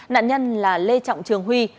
nạn nhân là lê trọng trường huy